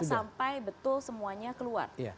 sampai betul semuanya keluar